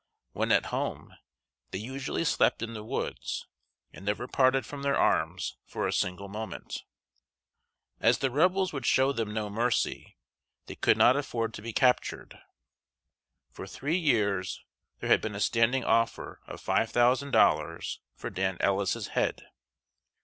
When at home, they usually slept in the woods, and never parted from their arms for a single moment. As the Rebels would show them no mercy, they could not afford to be captured. For three years there had been a standing offer of five thousand dollars for Dan Ellis's head.